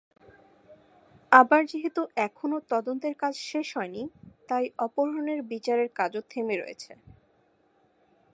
আবার যেহেতু এখনও তদন্তের কাজ শেষ হয়নি, তাই অপহরণের বিচারের কাজও থেমে রয়েছে।